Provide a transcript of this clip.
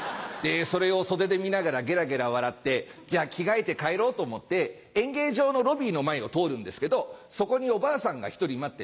それを袖で見ながらゲラゲラ笑ってじゃあ着替えて帰ろうと思って演芸場のロビーの前を通るんですけどそこにおばあさんが１人待ってて。